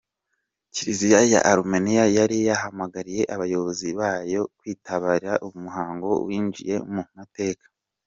Kiliziya ya Arumeniya yari yahamagariye abayoboke ba yo kwitabira uyu muhango winjiye mu mateka.